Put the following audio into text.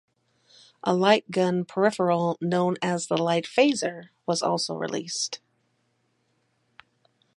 A light gun peripheral known as the Light Phaser was also released.